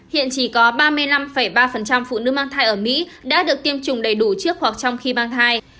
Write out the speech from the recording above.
hiện chỉ có ba mươi năm ba phụ nữ mang thai ở mỹ đã được tiêm chủng đầy đủ trước hoặc trong khi mang thai